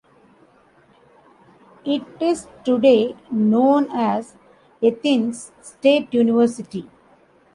It is today known as Athens State University.